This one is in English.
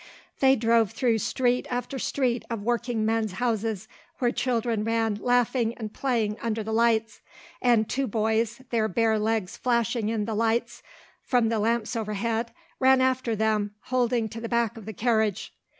They drove through street after street of workingmen's houses, where children ran laughing and playing under the lights, and two boys, their bare legs flashing in the lights from the lamps overhead, ran after them, holding to the back of the carriage.